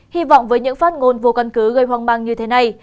hi vọng với những phát ngôn vô cân cứ gây hoang mang như thế này